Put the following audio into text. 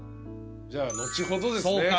じゃあ後ほどですね。